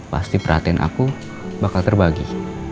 pasti perhatian aku bakal terbagi